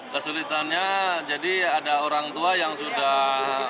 kesulitannya jadi ada orang tua yang sudah